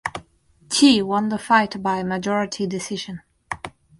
Qi won the fight by majority decision.